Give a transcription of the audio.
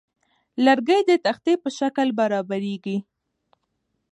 لرګی د تختې په شکل برابریږي.